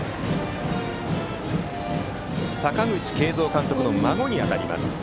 阪口慶三監督の孫に当たります